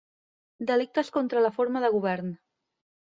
Delictes contra la forma de govern